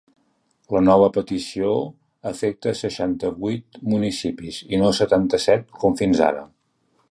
La nova petició afecta seixanta-vuit municipis i no setanta-set com fins ara.